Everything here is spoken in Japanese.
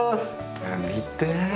見て！